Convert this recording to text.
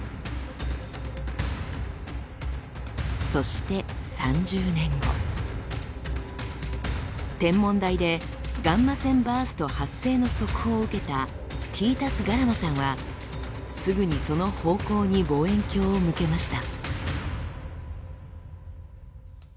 そして３０年後天文台でガンマ線バースト発生の速報を受けたティータス・ガラマさんはすぐにその方向に望遠鏡を向けました。